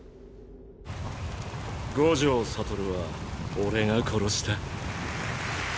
五条悟は俺が殺した。